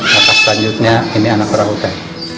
maka selanjutnya ini anak orangutan